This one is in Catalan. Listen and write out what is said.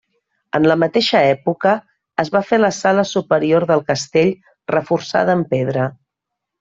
En la mateixa època es va fer la sala superior del castell reforçada amb pedra.